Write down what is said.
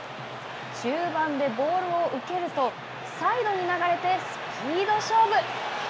中盤でボールを受けるとサイドに流れてスピード勝負。